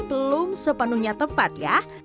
belum sepenuhnya tepat ya